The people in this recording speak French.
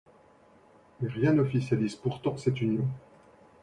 Mais rien n'officialise pourtant cette union.